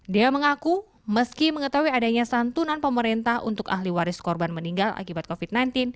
dea mengaku meski mengetahui adanya santunan pemerintah untuk ahli waris korban meninggal akibat covid sembilan belas